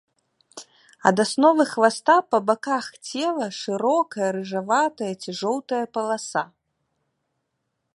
Ад асновы хваста па баках цела шырокая рыжаватая ці жоўтая паласа.